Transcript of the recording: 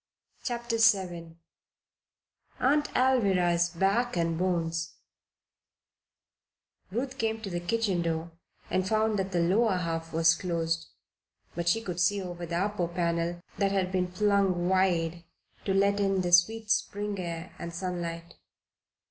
CHAPTER VII AUNT ALVIRAH'S BACK AND BONES Ruth came to the kitchen door and found that the lower half was closed; but she could see over the upper panel that had been flung wide to let in the sweet Spring air and sunlight.